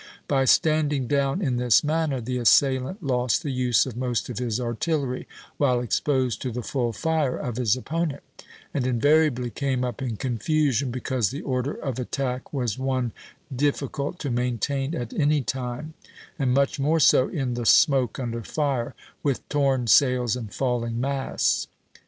By standing down in this manner the assailant lost the use of most of his artillery, while exposed to the full fire of his opponent, and invariably came up in confusion, because the order of attack was one difficult to maintain at any time, and much more so in the smoke under fire, with torn sails and falling masts.